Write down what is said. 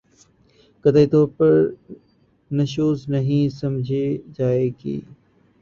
قطعی طور پر نشوزنہیں سمجھی جائے گی